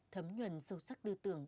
thấm nhuận sâu sắc đưa tưởng